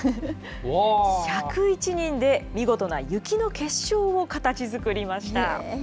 １０１人で見事な雪の結晶を形づくりました。